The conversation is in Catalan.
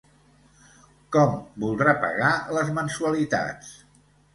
Com voldrà pagar les mensualitats?